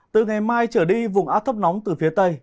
từ ngày mai trở đi vùng áp thấp nóng từ phía tây